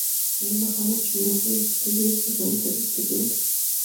El embajador chileno fue destituido y expulsado del servicio diplomático.